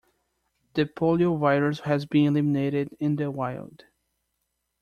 The poliovirus has been eliminated in the wild.